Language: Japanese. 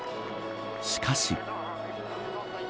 しかし。